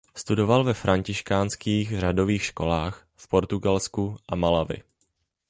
Studoval ve františkánských řádových školách v Portugalsku a Malawi.